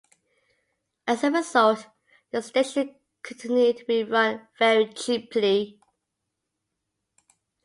As a result, the station continued to be run very cheaply.